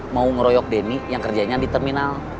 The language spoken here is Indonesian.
mau ngeroyok demi yang kerjanya di terminal